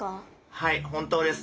はい本当です。